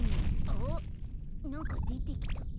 あっなんかでてきた。